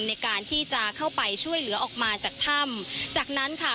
ในการที่จะเข้าไปช่วยเหลือออกมาจากถ้ำจากนั้นค่ะ